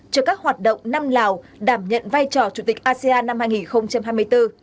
cho các hoạt động năm lào đảm nhận vai trò chủ tịch asean năm hai nghìn hai mươi bốn